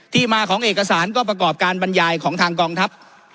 ที่มาของเอกสารก็ประกอบการบรรยายของทางกองทัพ